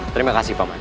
terima kasih paman